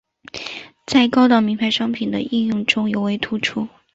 在高档名牌商品的应用中尤为突出。